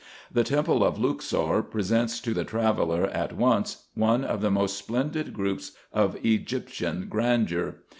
The temple of Luxor presents to the traveller at once one of the most splendid groups of Egyptian grandeur.